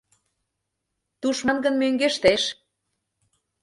Тушман гын мӧҥгештеш.